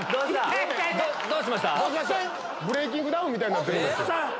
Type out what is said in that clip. ブレイキングダウンみたいになってる。